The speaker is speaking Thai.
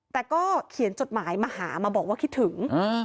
แต่ก็เขียนจดหมายมาหามาบอกว่าคิดถึง